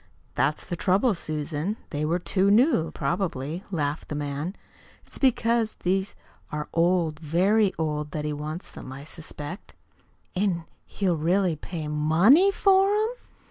"That's the trouble, Susan they were too new, probably," laughed the man. "It's because these are old, very old, that he wants them, I suspect. "An' he'll really pay MONEY for 'em?"